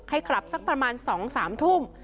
กลับสักประมาณ๒๓ทุ่ม